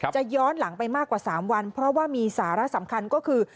ย้อนหลังไปมากกว่า๓วันเพราะว่ามีสาระสำคัญก็คือ